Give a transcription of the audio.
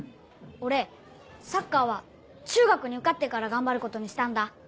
俺サッカーは中学に受かってから頑張ることにしたんだ。